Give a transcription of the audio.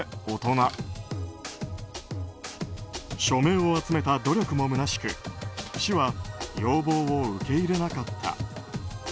署名を集めた努力もむなしく市は要望を受け入れなかった。